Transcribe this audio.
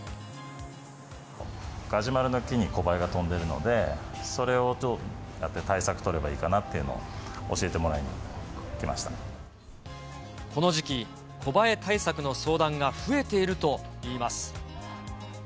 ガジュマルの木にコバエが飛んでるので、それをどうやって対策取ればいいかなっていうのを教えてもらいにこの時期、コバエ対策の相談が増えているといいます。